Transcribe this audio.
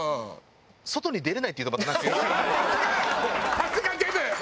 さすがデブ！